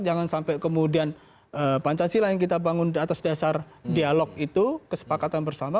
jangan sampai kemudian pancasila yang kita bangun atas dasar dialog itu kesepakatan bersama